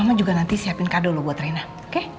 mama juga nanti siapin kado lu buat rena oke